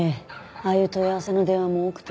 ああいう問い合わせの電話も多くて。